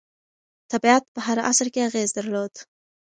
طبیعت په هر عصر کې اغېز درلود.